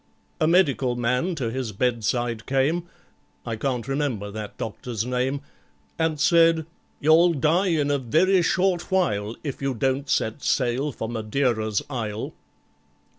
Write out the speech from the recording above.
A medical man to his bedside came. (I can't remember that doctor's name), And said, "You'll die in a very short while If you don't set sail for Madeira's isle."